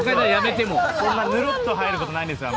そんな、ぬるっと入ることないですけど。